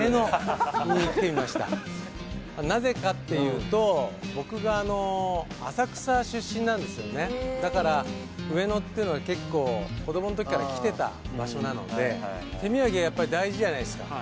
なぜかっていうと僕が浅草出身なんですよねだから上野っていうのが結構子供の時から来てた場所なのでじゃないですか